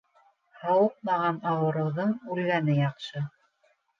Һауыҡмаған ауырыуҙың үлгәне яҡшы.